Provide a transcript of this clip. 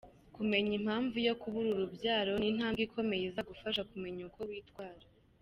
Kumenya impamvu yo kubura urubyaro ni intambwe ikomeye izagufasha kumenya uko witwara.